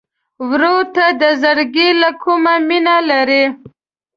ورور ته د زړګي له کومي مینه لرې.